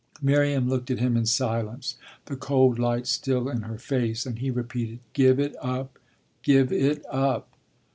Miriam looked at him in silence, the cold light still in her face, and he repeated: "Give it up give it up."